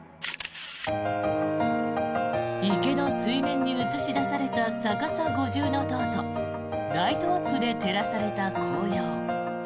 池の水面に映し出された逆さ五重塔とライトアップで照らされた紅葉。